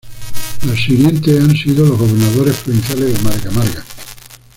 Los siguientes han sido los gobernadores provinciales de Marga Marga.